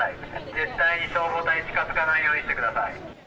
絶対に消防隊に近づかないようにしてください。